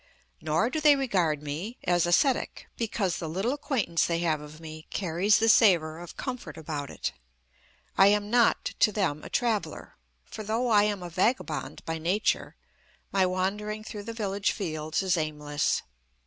Nor do they regard me as ascetic, because the little acquaintance they have of me carries the savour of comfort about it. I am not, to them, a traveller; for, though I am a vagabond by nature, my wandering through the village fields is aimless.